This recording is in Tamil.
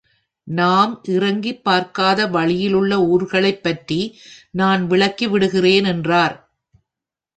நாம் இறங்கிப் பார்க்காத வழியிலுள்ள ஊர்களைப் பற்றி நான் விளக்கி விடுகிறேன், என்றார்.